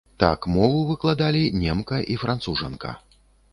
Так мову выкладалі немка і францужанка.